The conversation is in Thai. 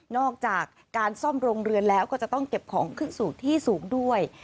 อกจากการซ่อมโรงเรือนแล้วก็จะต้องเก็บของขึ้นสู่ที่สูงด้วย